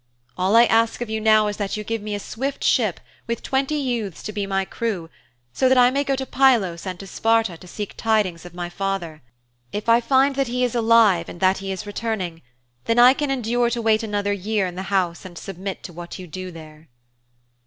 All I ask of you now is that you give me a swift ship with twenty youths to be my crew so that I may go to Pylos and to Sparta to seek tidings of my father. If I find he is alive and that he is returning, then I can endure to wait another year in the house and submit to what you do there.'